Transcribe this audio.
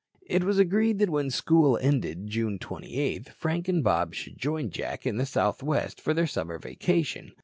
It was agreed that when school ended, June 28, Frank and Bob should join Jack in the Southwest for their summer vacation.